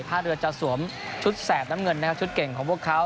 ท่าเรือจะสวมชุดแสบน้ำเงินนะครับชุดเก่งของพวกเขา